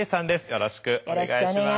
よろしくお願いします。